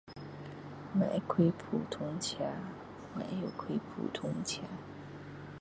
我会驾普通车我会驾普通车